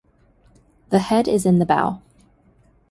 The head is in the bow.